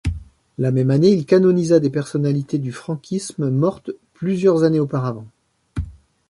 La même année, il canonisa des personnalités du franquisme mortes plusieurs années auparavant.